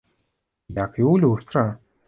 Як і ў люстра.